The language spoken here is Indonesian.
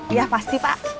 iya pasti pak